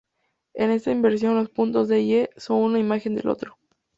En esta inversión, los puntos D y E son uno imagen del otro.